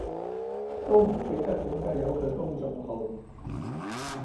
都唔記得點解有佢公眾號